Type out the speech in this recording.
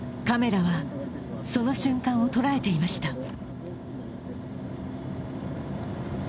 カメラはその瞬間を捉えていました。